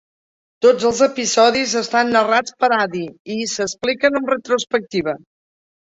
Tots els episodis estan narrats per Addie, i s'expliquen en retrospectiva.